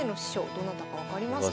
どなたか分かりますか？